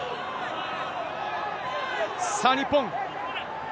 さあ、日本。